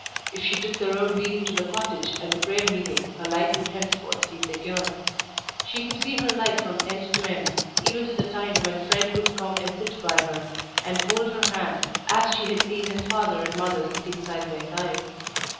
If she took the road leading to the cottage and the prayer meeting her life would henceforth be secure. She could see her life from end to end, even to the time when Fred would come and sit by her, and hold her hand as she had seen his father and mother sitting side by side.